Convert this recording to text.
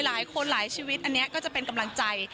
หลายคนหลายชีวิตอันนี้ก็จะเป็นกำลังใจ